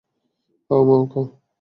How মাউ খাউ।